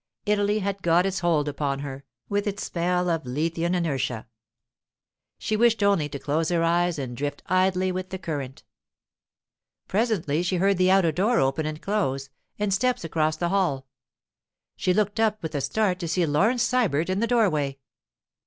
Italy had got its hold upon her, with its spell of Lethian inertia. She wished only to close her eyes and drift idly with the current. Presently she heard the outer door open and close, and steps cross the hall. She looked up with a start to see Laurence Sybert in the doorway.